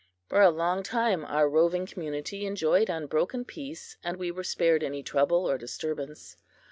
For a long time our roving community enjoyed unbroken peace, and we were spared any trouble or disturbance.